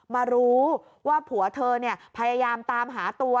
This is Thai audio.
มารู้ว่าผัวเธอพยายามตามหาตัว